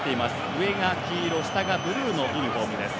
上が黄色、下がブルーのユニフォームです。